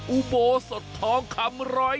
อูโบสดทองคำร้อย